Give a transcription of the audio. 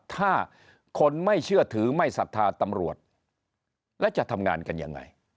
ถ้าคนไม่เชื่อถือไม่ศรัทธาตำรวจแล้วจะทำงานกันยังไง